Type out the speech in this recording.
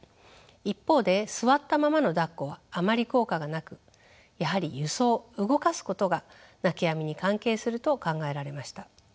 一方で座ったままのだっこはあまり効果がなくやはり輸送動かすことが泣きやみに関係すると考えられました。